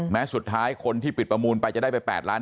แม้สุดท้ายคนที่ปิดประมูลไปจะได้ไป๘ล้าน